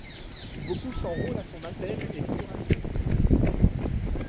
Beaucoup s'enrôlent à son appel et l'épuration politique commence.